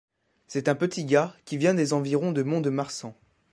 C’est un petit gars qui vient des environs de Mont-de-Marsan.